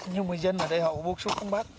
nhưng mà dân ở đây họ bước xuất không bác